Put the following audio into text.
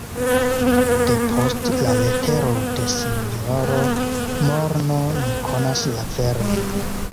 Depost la letero de sinjoro Morno ni konas la veron.